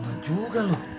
enak juga lu